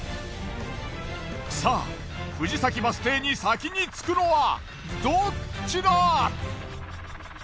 さぁ藤崎バス停に先に着くのはどっちだ？